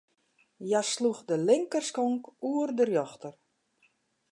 Hja sloech de linkerskonk oer de rjochter.